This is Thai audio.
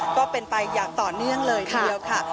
ก็เป็นไปอย่างต่อเนื่องเลยทีเดียวค่ะ